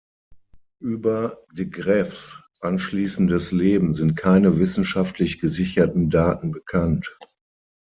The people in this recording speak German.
Über de Graeffs anschließendes Leben sind keine wissenschaftlich gesicherten Daten bekannt.